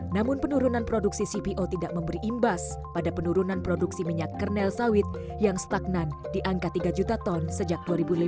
namun penurunan produksi cpo tidak memberi imbas pada penurunan produksi minyak kernel sawit yang stagnan di angka tiga juta ton sejak dua ribu lima belas